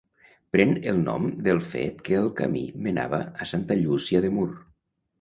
Pren el nom del fet que el camí menava a Santa Llúcia de Mur.